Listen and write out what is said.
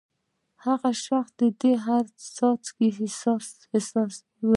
هغه شخص دې د هر څاڅکي احساس ولیکي.